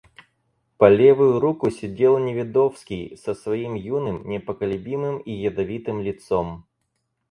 По левую руку сидел Неведовский со своим юным, непоколебимым и ядовитым лицом.